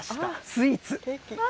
スイーツ。